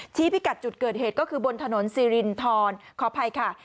พิกัดจุดเกิดเหตุก็คือบนถนนสิรินทรขออภัยค่ะ